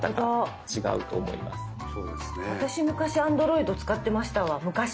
私昔アンドロイド使ってましたわ昔。